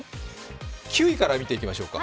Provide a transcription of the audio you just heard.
９位から見ていきましょうか。